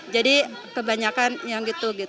jadi kebanyakan yang gitu gitu